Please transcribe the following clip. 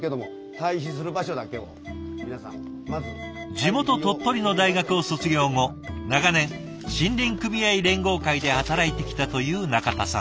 地元鳥取の大学を卒業後長年森林組合連合会で働いてきたという中田さん。